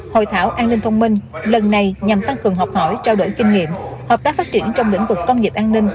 hội thảo an ninh thông minh lần này nhằm tăng cường học hỏi trao đổi kinh nghiệm hợp tác phát triển trong lĩnh vực công nghiệp an ninh